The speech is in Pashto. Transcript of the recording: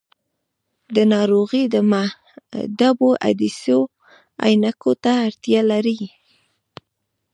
دا ناروغي د محدبو عدسیو عینکو ته اړتیا لري.